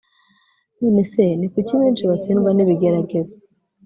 Nonese ni kuki benshi batsindwa nibigeragezo